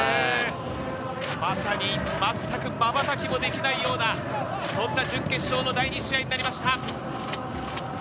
まさに全くまばたきもできないような、そんな準決勝の第２試合になりました。